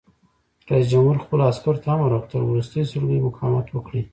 رئیس جمهور خپلو عسکرو ته امر وکړ؛ تر وروستۍ سلګۍ مقاومت وکړئ!